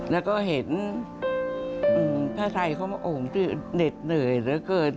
แล้วก็เห็นพระทัยเขาบอกโอ้โหตื่นเหน็ดเหนื่อยเหลือเกิน